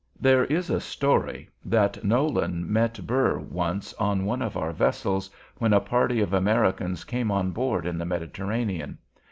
There is a story that Nolan met Burr once on one of our vessels, when a party of Americans came on board in the Mediterranean.